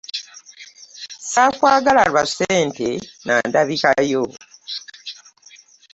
Saakwagala lwa ssente na ndabika yo.